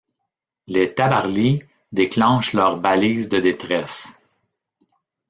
Les Tabarly déclenchent leur balise de détresse.